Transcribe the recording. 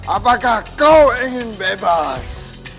apakah kau ingin bebas